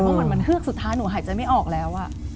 เหมือนมันเฮือกสุดท้ายหนูหายใจไม่ออกแล้ว